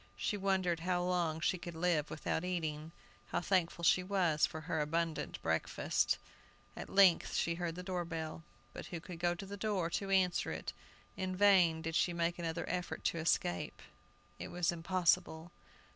She wondered how long she could live without eating. How thankful she was for her abundant breakfast! At length she heard the door bell. But who could go to the door to answer it? In vain did she make another effort to escape; it was impossible!